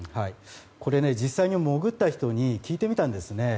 これ、実際に潜った人に聞いてみたんですね。